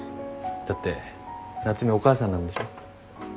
だって夏海お母さんなんでしょ。